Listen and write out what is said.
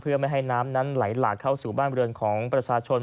เพื่อไม่ให้น้ำนั้นไหลหลากเข้าสู่บ้านเรือนของประชาชน